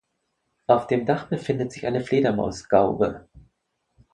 Auf dem Dach befindet sich eine Fledermausgaube.